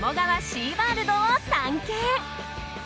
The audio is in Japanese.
シーワールドを探検。